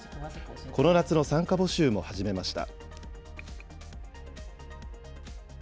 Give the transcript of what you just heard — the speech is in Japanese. この夏の参加募集も始めました。